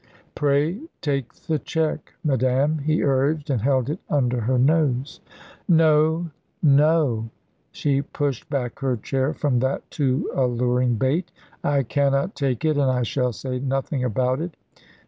"Pray take the cheque, madame," he urged, and held it under her nose. "No, no!" She pushed back her chair from that too alluring bait. "I cannot take it, and I shall say nothing about it.